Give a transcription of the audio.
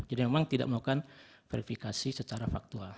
jadi memang tidak melakukan verifikasi secara faktual